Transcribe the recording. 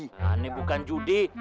ini bukan judi